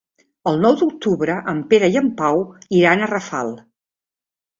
El nou d'octubre en Pere i en Pau iran a Rafal.